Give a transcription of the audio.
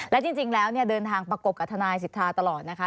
และจริงแล้วเดินทางประกบกับทนายสิทธาตลอดนะคะ